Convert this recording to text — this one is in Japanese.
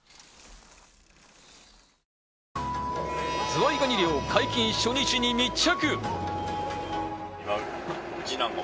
ズワイガニ漁、解禁初日に密着。